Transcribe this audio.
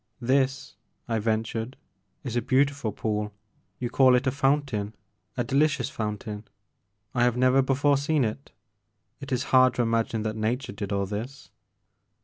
This,*' I ventured, *'is a beautiftd pool, — you call it a fountain, — a delicious fountain: I have never before seen it. It is hard to imagine that nature did all this.'